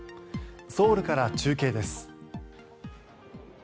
ソウルから中継です。